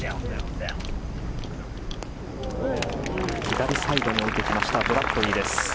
左サイドに置いてきましたブラッドリー。